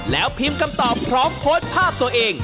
แล้วพิมพ์คำตอบพร้อมโพสต์ภาพตัวเอง